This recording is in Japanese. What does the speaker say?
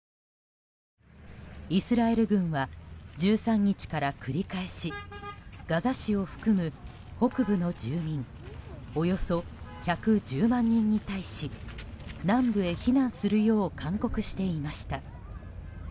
イスラエル軍は１３日から繰り返しガザ市を含む北部の住民およそ１１０万人に対し南部へ避難するよう勧告していました。